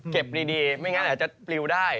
ดีไม่งั้นอาจจะปลิวได้